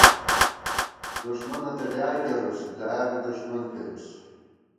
دُݭمَنہ تہ ڈیائے کېرُوس ، بۡلیایا بی دُݭمن کېرُوس